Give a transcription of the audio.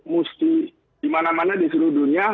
mesti di mana mana di seluruh dunia